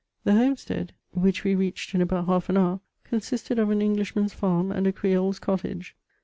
The homestead, which we reached in about half an hour, consisted of an Fnglishman's farm and a Creole's cottage.